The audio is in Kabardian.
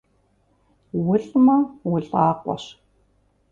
УлӀмэ, улӀакъуэщ.